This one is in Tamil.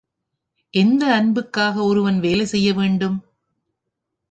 எந்த அன்புக்காக ஒருவன் வேலை செய்ய வேண்டும்?